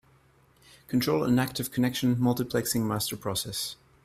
Control an active connection multiplexing master process.